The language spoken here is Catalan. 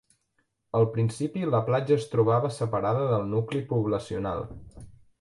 Al principi la platja es trobava separada del nucli poblacional.